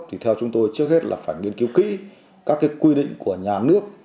thì theo chúng tôi trước hết là phải nghiên cứu kỹ các quy định của nhà nước